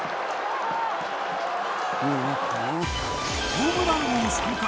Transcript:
ホームラン王３回。